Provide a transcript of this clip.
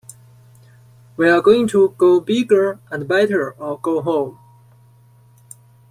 We are going to go bigger and better or go home.